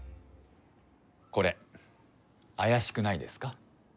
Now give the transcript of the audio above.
これあやしくないですか？